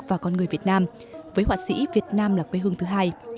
và con người việt nam với họa sĩ việt nam là quê hương thứ hai